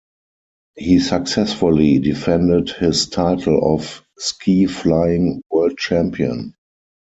He successfully defended his title of Ski Flying World Champion.